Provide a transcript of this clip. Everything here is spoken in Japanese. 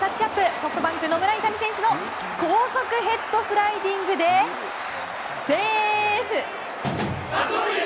ソフトバンクの野村勇選手の高速ヘッドスライディングでセーフ！